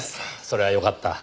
それはよかった。